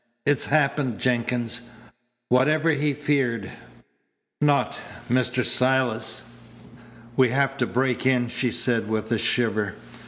"It's happened, Jenkins whatever he feared." "Not Mr. Silas?" "We have to break in," she said with a shiver.